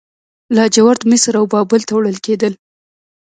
لاجورد مصر او بابل ته وړل کیدل